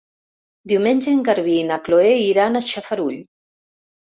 Diumenge en Garbí i na Chloé iran a Xarafull.